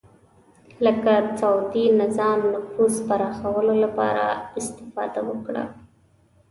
لکه سعودي نظام نفوذ پراخولو لپاره استفاده وکړه